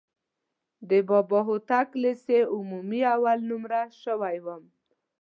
د بابا هوتک لیسې عمومي اول نومره شوی وم.